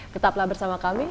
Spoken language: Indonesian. tetaplah bersama kami